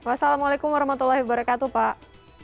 wassalamualaikum warahmatullahi wabarakatuh pak